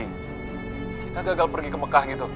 kita gagal pergi ke mekah gitu